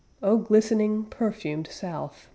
O glistening perfumed South!